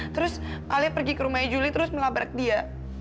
terus alia pergi ke rumahnya juli terus melabrak dia